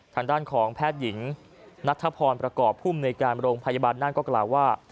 ทางด้านของแพทย์หญิงนัทธพรประกอบภูมิในการโรงพยาบาลน่านก็กล่าวว่า